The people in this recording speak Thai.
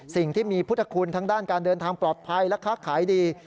สิ่งที่มีพุทธคุณทั้งด้านการเดินทางปลอดภัยและค้าขายดี